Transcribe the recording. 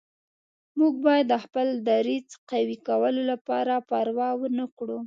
موږ باید د خپل دریځ قوي کولو لپاره پروا ونه کړو.